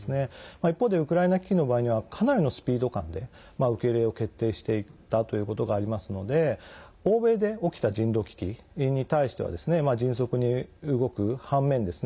一方でウクライナ危機の場合にはかなりのスピード感で受け入れを決定していったということがありますので欧米で起きた人道危機に対しては迅速に動く反面ですね